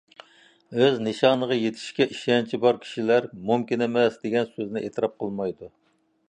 ئۆز نىشانىغا يېتىشكە ئىشەنچى بار كىشىلەر «مۇمكىن ئەمەس» دېگەن سۆزنى ئېتىراپ قىلمايدۇ.